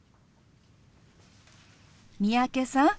三宅さん。